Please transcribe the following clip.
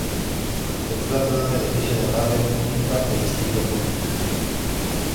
Se trata de un edificio de nave única y de estilo gótico.